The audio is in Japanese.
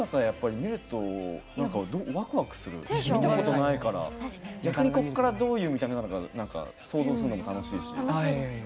見たことないから逆に、ここからどういう見た目なのか想像するのも楽しいし。